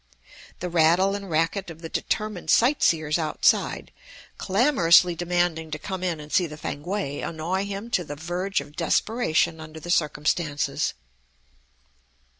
The rattle and racket of the determined sight seers outside, clamorously demanding to come in and see the Fankwae, annoy him to the verge of desperation under the circumstances.